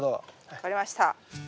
分かりました。